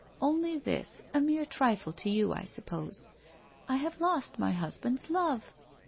' Only this, a mere trifle to you, I suppose. I have lost my husband's love.